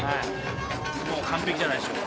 もう完璧じゃないでしょうか。